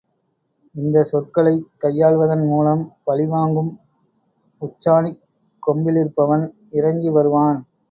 இந்தச் சொற்களைக் கையாள்வதன் மூலம் பழிவாங்கும் உச்சாணிக் கொம்பிலிருப்பவன் இறங்கி வருவான்.